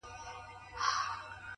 خاموشه هڅه هېڅ نه ضایع کېږي؛